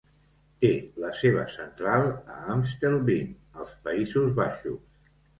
Té la seva central a Amstelveen, als Països Baixos.